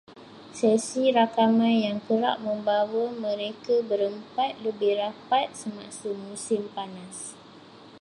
Sesi rakaman yang kerap membawa mereka berempat lebih rapat semasa musim panas